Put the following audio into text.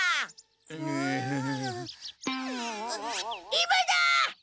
今だ！